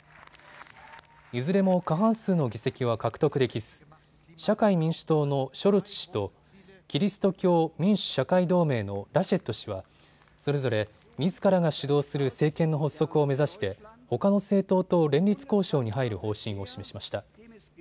いずれも過半数の議席は獲得できず社会民主党のショルツ氏とキリスト教民主・社会同盟のラシェット氏はそれぞれ、みずからが主導する政権の発足を目指してほかの政党と連立交渉に入る方針を示しました。